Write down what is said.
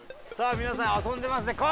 さあ皆さん遊んでますね。